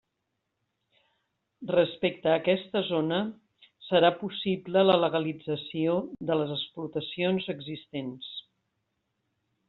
Respecte a aquesta zona, serà possible la legalització de les explotacions existents.